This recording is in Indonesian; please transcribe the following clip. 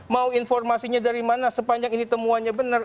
mau informasinya dari mana sepanjang ini temuannya benar